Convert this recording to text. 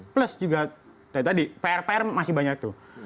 plus juga dari tadi pr pr masih banyak tuh